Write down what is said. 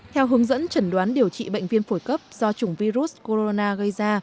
theo hướng dẫn chẩn đoán điều trị bệnh viêm phổi cấp do chủng virus corona gây ra